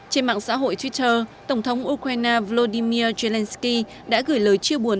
trên mạng xã hội twitter tổng thống ukraine volodymyr zelenskyy đã gửi lời chiêu buồn